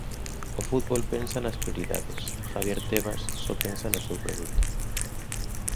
O fútbol pensa nas prioridades, Javier Tebas só pensa no seu produto.